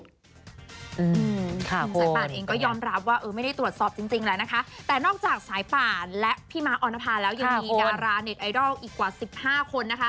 ที่สายปานเองก็ยอมรับว่าไม่ได้ตรวจสอบจริงแต่นอกจากสายปานพี่ม้าออนภาแล้วยังมีดาราเน็ตไอดอลอีกกว่า๑๕คนนะคะ